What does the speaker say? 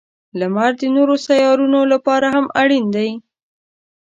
• لمر د نورو سیارونو لپاره هم اړین دی.